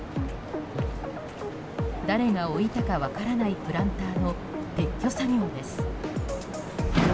誰が置いたか分からないプランターの撤去作業です。